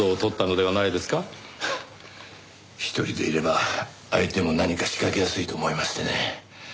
一人でいれば相手も何か仕掛けやすいと思いましてね。